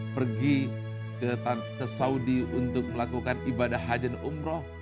pergi ke saudi untuk melakukan ibadah hajan umroh